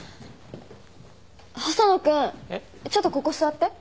細野君ちょっとここ座って。